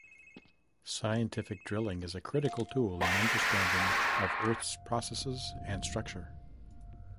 Scientific drilling is a critical tool in understanding of Earth processes and structure.